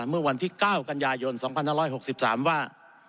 เมื่อวันที่๙กันยายน๒๕๖๓ว่า